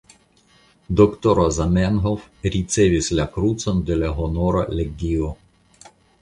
Doktoro Zamenhof ricevis la krucon de la Honora legio.